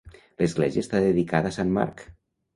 L'església està dedicada a sant Marc.